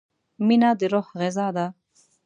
مینه د روح غذا ده.